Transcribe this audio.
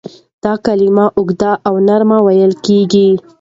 دا کلمه اوږده او نرمه ویل کیږي.